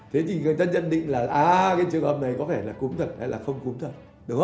thế thì người ta nhận định là cái trường hợp này có vẻ là cúm thật hay là không cúm thật